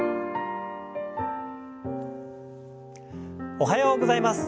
おはようございます。